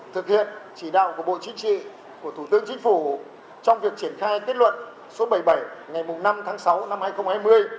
thực hiện chỉ đạo của bộ chính trị của thủ tướng chính phủ trong việc triển khai kết luận số bảy mươi bảy ngày năm tháng sáu năm hai nghìn hai mươi